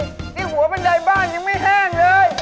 เขียนหัวบันดาลบ้านยังไม่แห้งเลย